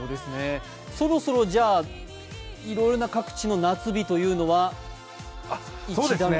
そろそろいろいろな各地の夏日というのは一段落に？